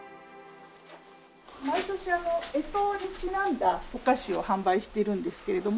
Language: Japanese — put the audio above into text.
毎年干支にちなんだお菓子を販売してるんですけれども。